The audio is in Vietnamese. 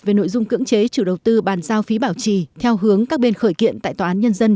về nội dung cưỡng chế chủ đầu tư bàn giao phí bảo trì theo hướng các bên khởi kiện tại tòa án nhân dân